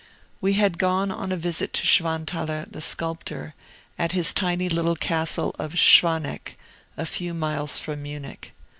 We had gone on a visit to Schwanthaler, the sculptor, at his tiny little castle of Schwaneck, a few miles from Munich.